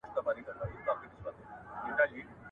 • تور سپى د وزگړي په بيه ورکوي.